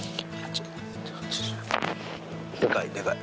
でかいでかい。